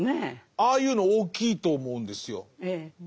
ああいうの大きいと思うんですよ。